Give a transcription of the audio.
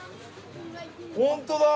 本当だ。